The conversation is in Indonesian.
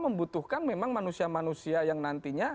membutuhkan memang manusia manusia yang nantinya